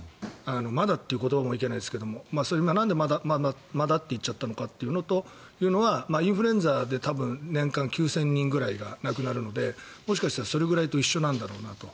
まだという言葉もいけないですがなんで、まだって言っちゃったのかというのはインフルエンザで多分、年間９０００人ぐらいが亡くなるのでもしかしたらそれぐらいと一緒なのかなと。